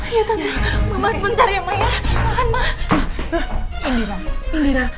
iya tante mama sebentar ya ma ya